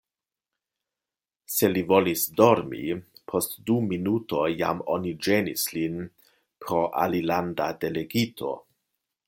Se li volis dormi, post du minutoj jam oni ĝenis lin pro alilanda delegito.